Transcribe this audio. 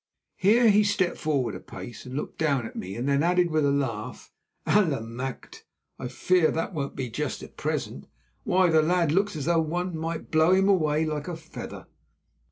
Here he stepped forward a pace and looked down at me, then added with a laugh, "Allemachte! I fear that won't be just at present. Why, the lad looks as though one might blow him away like a feather."